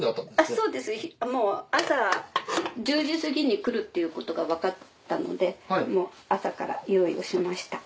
そうです朝１０時過ぎに来るということがわかったので朝から用意をしました。